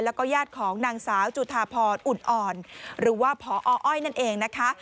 แล้วก็ญาติของนางสาวจุธาพรอุ่นอ่อนหรือว่าพออ้อยนั่นเองนะคะ